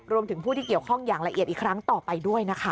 รวมถึงผู้ที่เกี่ยวข้องอย่างละเอียดอีกครั้งต่อไปด้วยนะคะ